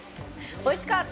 おいしかった。